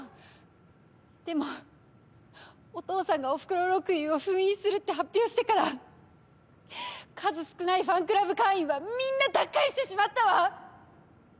でもお父さんが『おふくろロックユー』を封印するって発表してから数少ないファンクラブ会員はみんな脱会してしまったわ！